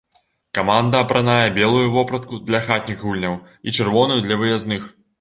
Каманда апранае белую вопратку для хатніх гульняў і чырвоную для выязных.